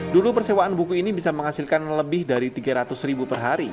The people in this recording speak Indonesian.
dulu persewaan buku ini bisa menghasilkan lebih dari tiga ratus ribu per hari